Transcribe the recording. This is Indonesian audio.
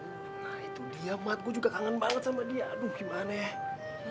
nah itu dia mat gue juga kangen banget sama dia aduh gimana ya